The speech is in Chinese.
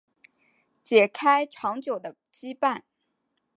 解开长久的羁绊